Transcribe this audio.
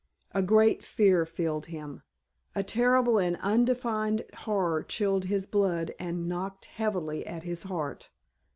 A great fear filled him. A terrible and undefined horror chilled his blood and knocked heavily at his heart.